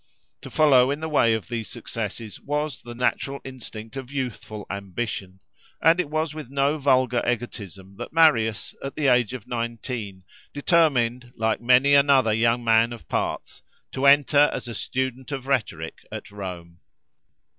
To follow in the way of these successes, was the natural instinct of youthful ambition; and it was with no vulgar egotism that Marius, at the age of nineteen, determined, like many another young man of parts, to enter as a student of rhetoric at Rome.